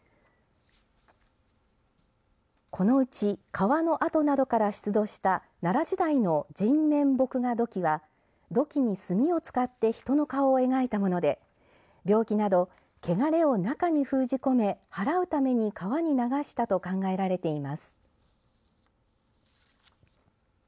このうち、川の跡などから出土した奈良時代の人面墨画土器は土器に炭を使って人の顔を描いたもので病気などけがれを中に封じ込めはらうために川に流したと考えられています。